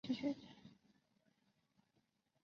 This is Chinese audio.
白志东是一位中国统计学家。